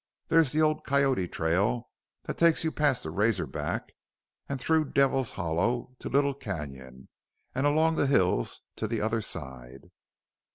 There's the old Coyote trail, that takes you past the Razor Back and through Devil's Hollow to Little Canyon an' along the hills to the other side."